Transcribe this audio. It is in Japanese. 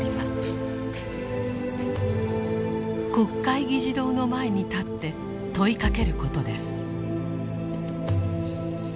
国会議事堂の前に立って問いかけることです。